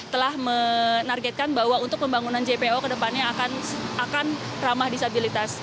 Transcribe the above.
telah menargetkan bahwa untuk pembangunan jpo kedepannya akan ramah disabilitas